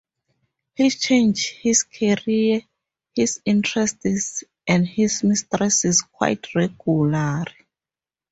He changed his career, his interests and his mistresses quite regularly.